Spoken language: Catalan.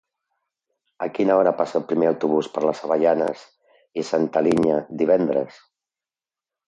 A quina hora passa el primer autobús per les Avellanes i Santa Linya divendres?